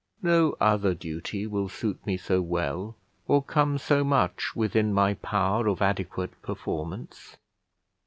No other duty will suit me so well, or come so much within my power of adequate performance.